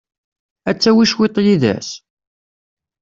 Ad tawi cwiṭ yid-s?